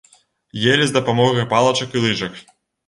Елі з дапамогай палачак і лыжак.